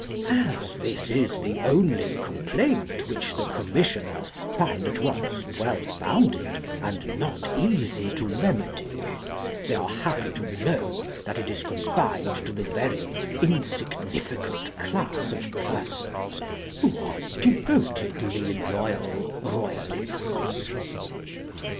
As this is the only complaint which the Commissioners find at once well founded and not easy to remedy, they are happy to know that it is confined to the very insignificant class of persons who are "devotedly loyal Royalists."